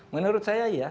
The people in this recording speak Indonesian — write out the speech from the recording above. menurut saya ya